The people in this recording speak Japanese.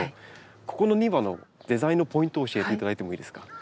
ここの庭のデザインのポイントを教えていただいてもいいですか？